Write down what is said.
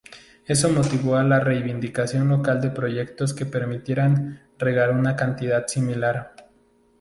Eso motivó la reivindicación local de proyectos que permitieran regar una cantidad similar.